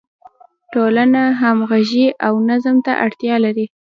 ټولنه همغږي او نظم ته اړتیا لري.